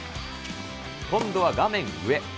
今度は画面上。